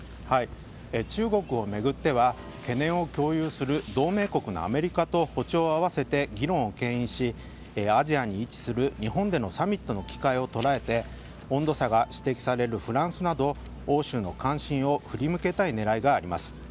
中国を巡っては懸念を共有する同盟国のアメリカと歩調を合わせて議論をけん引しアジアに位置する日本でのサミットの機会を捉えて温度差が指摘されるフランスなど欧州の関心を振り向けたい狙いがあります。